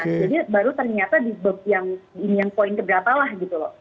jadi baru ternyata yang poin keberatalah gitu loh